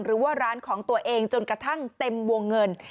หรือว่าร้านของตัวเองจนกระทั่งเต็มวงเงิน